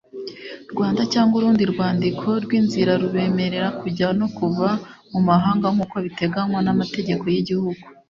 Rwanda cyangwa urundi rwandiko rw inzira rubemerera kujya no kuva mu mahanga nkuko biteganywa n;amategeko yigihugu.